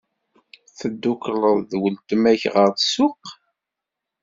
Teddukkleḍ d weltma-k ɣer ssuq?